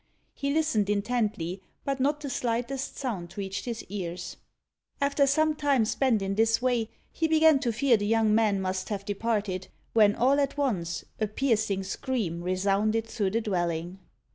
He listened intently, but not the slightest sound reached his ears. After some time spent in this way, he began to fear the young man must have departed, when all at once a piercing scream resounded through the dwelling.